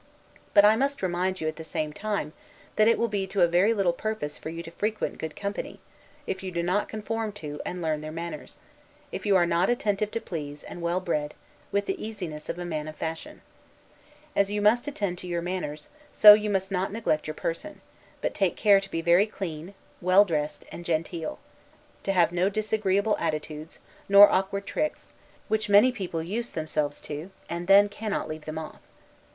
But I must remind you, at the same time, that it will be to a very little purpose for you to frequent good company, if you do not conform to, and learn their manners; if you are not attentive to please, and well bred, with the easiness of a man of fashion. As you must attend to your manners, so you must not neglect your person; but take care to be very clean, well dressed, and genteel; to have no disagreeable attitudes, nor awkward tricks; which many people use themselves to, and then cannot leave them off.